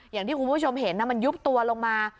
อย่างที่คุณผู้ชมเห็นมันยุบตัวลงมา